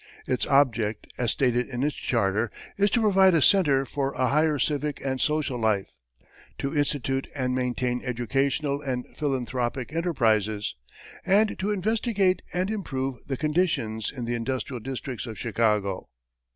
Its object, as stated in its charter, is "to provide a center for a higher civic and social life; to institute and maintain educational and philanthropic enterprises, and to investigate and improve the conditions in the industrial districts of Chicago."